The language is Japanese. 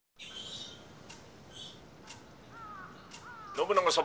「信長様